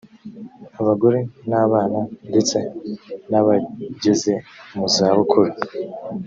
abagore n abana ndetse n abageze mu za bukuru